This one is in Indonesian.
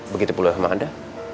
begitu pula sama anda